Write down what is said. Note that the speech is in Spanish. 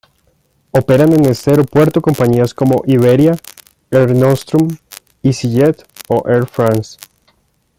Operan en este aeropuerto compañías como Iberia, Air Nostrum, easyJet o Air France.